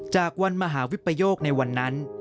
จากวันมหาวิปโยคในวันนั้น